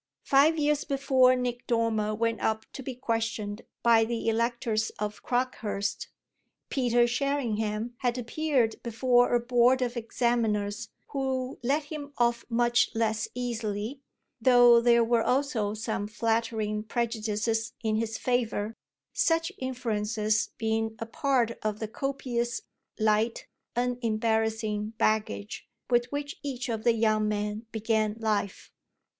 Five years before Nick Dormer went up to be questioned by the electors of Crockhurst Peter Sherringham had appeared before a board of examiners who let him off much less easily, though there were also some flattering prejudices in his favour; such influences being a part of the copious, light, unembarrassing baggage with which each of the young men began life.